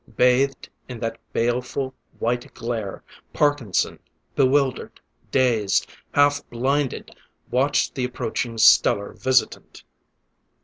Bathed in that baleful, white glare, Parkinson, bewildered, dazed, half blinded, watched the approaching stellar visitant.